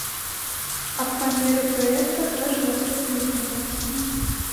Аб памеры праекта кажа наступная інфармацыя.